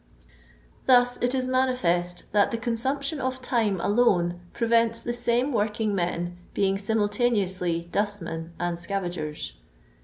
Thus it is manifest that the consumption of time alone preventi the same working men being simnltsp neously dustmen and scavagers.